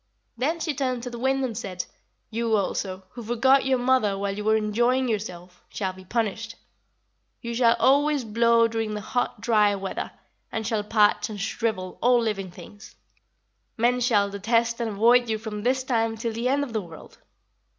"Then she turned to the Wind and said: 'You also, who forgot your mother while you were enjoying yourself, shall be punished. You shall always blow during the hot, dry weather, and shall parch and shrivel all living things. Men shall detest and avoid you from this time till the end of the world.'